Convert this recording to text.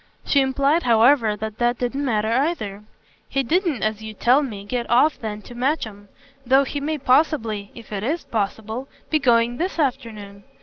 She implied however that that didn't matter either. "He didn't, as you tell me, get off then to Matcham; though he may possibly, if it IS possible, be going this afternoon.